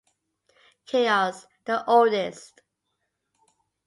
Chaos, the oldest.